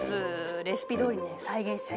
レシピどおりに再現しちゃいました。